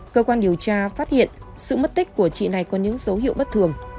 cơ quan điều tra phát hiện sự mất tích của chị này có những dấu hiệu bất thường